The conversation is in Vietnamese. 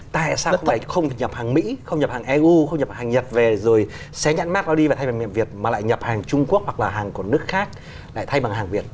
tại sao không phải không nhập hàng mỹ không nhập hàng eu không nhập hàng nhật về rồi xé nhãn mát nó đi và thay bằng miệng việt mà lại nhập hàng trung quốc hoặc là hàng của nước khác lại thay bằng hàng việt